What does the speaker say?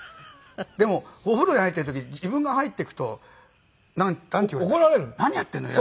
でもお風呂に入ってる時自分が入っていくとなんて言われるんだっけ？